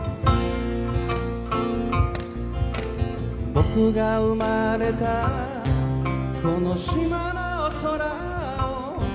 「僕が生まれたこの島の空を」